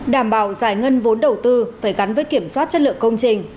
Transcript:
đảm bảo giải ngân vốn đầu tư phải gắn với kiểm soát chất lượng công trình